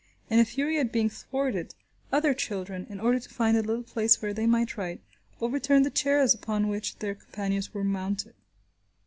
In a fury at being thwarted, other children, in order to find a little place where they might write, overturned the chairs upon which their companions were mounted.